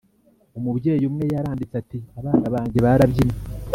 Umubyeyi umwe yaranditse ati abana banjye barabyinnye